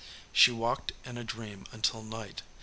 She walked in a dream until night.